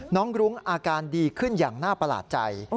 รุ้งอาการดีขึ้นอย่างน่าประหลาดใจ